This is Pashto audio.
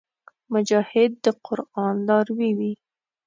مجاهد د قران لاروي وي.